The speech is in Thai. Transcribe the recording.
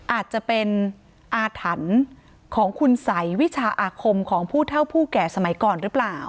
อาจจะเป็นอาถรรพ์ของคุณสัยวิชาอาคมของผู้เท่าผู้แก่สมัยก่อนหรือเปล่า